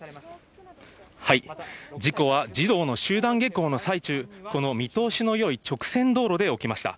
事故は児童の集団下校の最中、この見通しのよい直線道路で起きました。